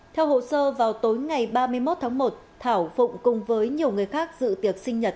theo hồ sơ vào tối ngày ba mươi một tháng một thảo phụng cùng với nhiều người khác dự tiệc sinh nhật